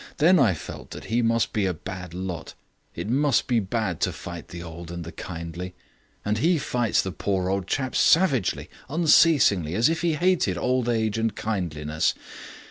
Then I felt that he must be a bad lot; it must be bad to fight the old and the kindly. And he fights the poor old chap savagely, unceasingly, as if he hated old age and kindliness.